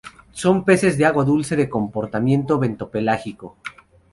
Son peces de agua dulce, de comportamiento bentopelágico.